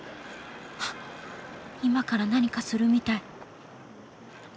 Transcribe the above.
あっ今から何かするみたい。